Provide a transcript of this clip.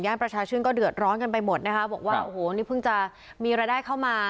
ประชาชื่นก็เดือดร้อนกันไปหมดนะคะบอกว่าโอ้โหนี่เพิ่งจะมีรายได้เข้ามา